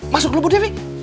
masuk dulu bu devi